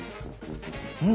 うん。